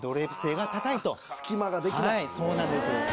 はいそうなんです。